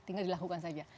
tinggal dilakukan saja